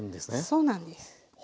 そうなんです。